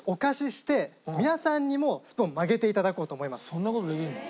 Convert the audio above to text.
そんな事できるの？